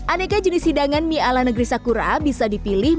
aneka jenis hidangan mie ala negeri sakura bisa dipilih